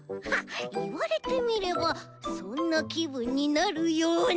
いわれてみればそんなきぶんになるような！